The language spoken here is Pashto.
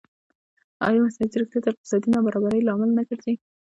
ایا مصنوعي ځیرکتیا د اقتصادي نابرابرۍ لامل نه ګرځي؟